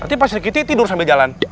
nanti pasri kitty tidur sambil jalan